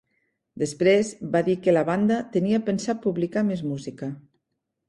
Després va dir que la banda tenia pensat publicar més música.